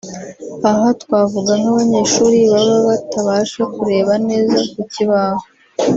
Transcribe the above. aha twavuga nk’abanyeshuri baba batabasha kureba neza ku kibaho